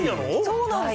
そうなんです。